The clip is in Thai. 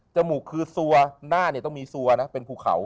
มูกคือซัวหน้าเนี่ยต้องมีซัวนะเป็นภูเขา